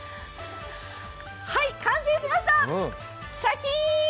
はい、完成しましたシャキーン！